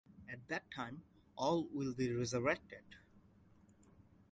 At that time, all will be resurrected.